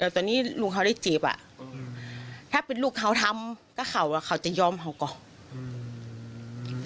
ตอนนี้ลูกเค้าได้จีบถ้าเป็นลูกเค้าทำก็เค้าจะยอมเขาก่อน